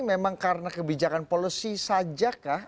memang karena kebijakan policy saja kah